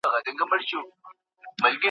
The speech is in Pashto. افغان ځواک بریالی شو